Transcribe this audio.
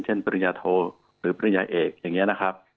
ปริญญาโทหรือปริญญาเอกอย่างนี้นะครับ